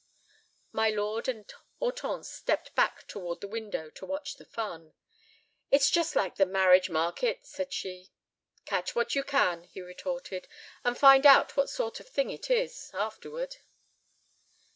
My lord and Hortense stepped back toward the window to watch the fun. "It is just like the marriage market," said she. "Catch what you can," he retorted, "and find out what sort of thing it is—afterward."